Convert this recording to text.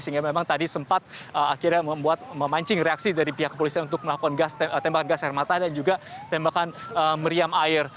sehingga memang tadi sempat akhirnya membuat memancing reaksi dari pihak kepolisian untuk melakukan tembakan gas air mata dan juga tembakan meriam air